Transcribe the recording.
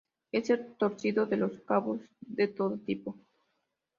Es el torcido de los cabos de todo tipo.